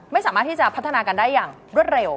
ไม่สามารถที่จะพัฒนากันได้อย่างรวดเร็ว